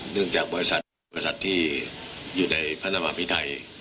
เนื่องจากบริษัทบริษัทที่อยู่ในพระนามาพิไทย